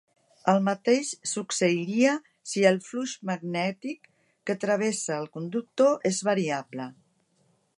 El mateix succeiria si el flux magnètic que travessa al conductor és variable.